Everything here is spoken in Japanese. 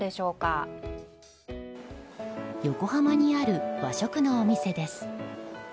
横浜にある和食のお店です。